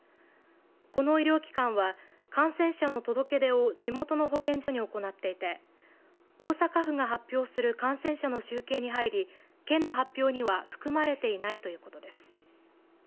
この医療機関は感染者の届け出を地元の保健所に行っていて大阪府が発表する感染者の集計に入り県の発表には含まれていないということです。